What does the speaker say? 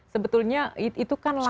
sebetulnya itu kan langkah